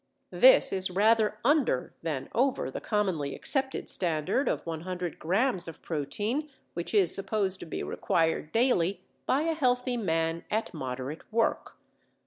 This is rather under than over the commonly accepted standard of 100 grams of protein which is supposed to be required daily by a healthy man at moderate work.